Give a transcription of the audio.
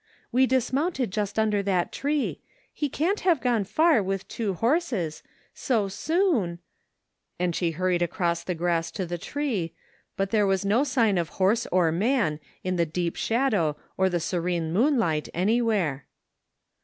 " We dismoimted just tmder that tree. He can't have gone far with two horses — so 100 THE FINDING OF JASPEE HOLT soon " and she hurried across the grass to the tree, but there was no sign of horse or man in the deep shadow or the serene moonlight anywhere.